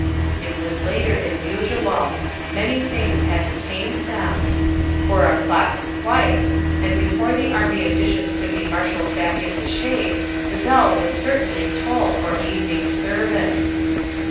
It was later than usual; many things had detained them; four o'clock quite, and before the army of dishes could be marshaled back into shape, the bell would certainly toll for evening service.